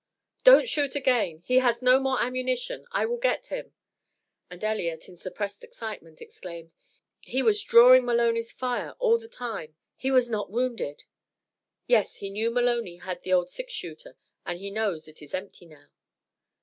"Don't shoot again. He has no more ammunition. I will get him." And Elliott, in suppressed excitement, exclaimed: "He was drawing Maloney's fire all the time. He was not wounded." "Yes, he knew Maloney had the old six shooter, and he knows it is empty now."